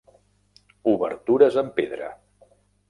Obertures amb pedra.